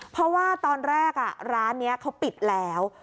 เพราะว่าตอนแรกร้านนี้เขาปิดแล้ว